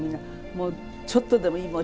ちょっとでもいいもの